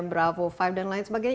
bravo lima dan lain sebagainya